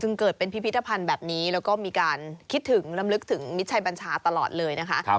ซึ่งเกิดเป็นพิพิธภัณฑ์แบบนี้แล้วก็มีการคิดถึงลำลึกถึงมิชัยบัญชาตลอดเลยนะคะ